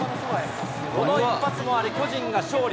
この一発もあり、巨人が勝利。